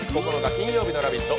金曜日の「ラヴィット！」